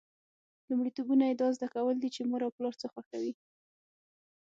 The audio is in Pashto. لومړیتوبونه یې دا زده کول دي چې مور او پلار څه خوښوي.